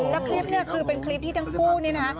แล้วคลิปนี้คือเป็นคลิปที่ทั้งคู่นี่นะ